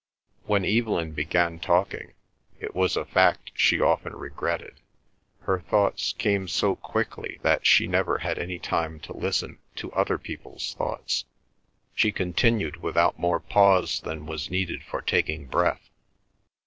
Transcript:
When Evelyn began talking—it was a fact she often regretted—her thoughts came so quickly that she never had any time to listen to other people's thoughts. She continued without more pause than was needed for taking breath.